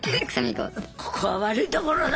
ここは悪いところだ！